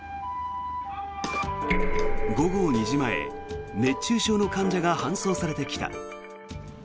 午後２時前熱中症の患者が搬送されてきた。